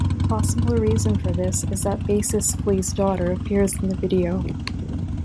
A possible reason for this is that bassist Flea's daughter appears in the video.